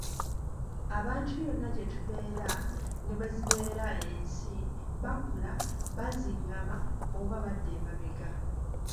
Abantu yonna gye tubeera ne bwe zibeera ensi bakula, bazingama oba badda emabega.